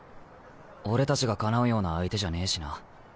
俺たちがかなうような相手じゃねえしな。